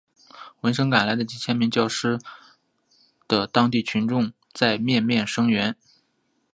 闻声赶来的几千教师的当地群众在面面声援。